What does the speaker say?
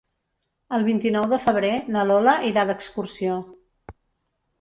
El vint-i-nou de febrer na Lola irà d'excursió.